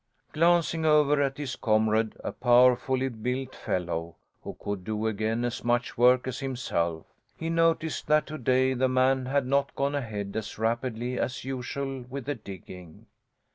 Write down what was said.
Glancing over at his comrade, a powerfully built fellow who could do again as much work as himself, he noticed that to day the man had not gone ahead as rapidly as usual with the digging.